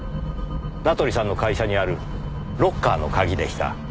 名取さんの会社にあるロッカーの鍵でした。